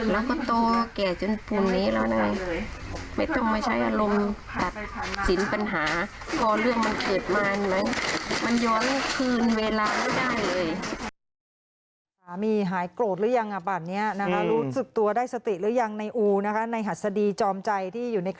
แล้วก็โตแก่จนภูมินี้แล้วน่ะไม่ต้องมาใช้อารมณ์ตัดสินปัญหา